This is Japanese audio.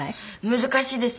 難しいです。